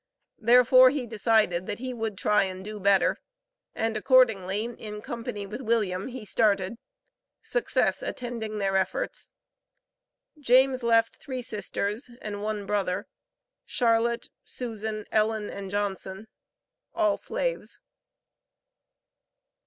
Therefore, he decided that he would try and do better, and accordingly, in company with William he started, success attending their efforts. James left three sisters and one brother, Charlotte, Susan, Ellen and Johnson, all slaves.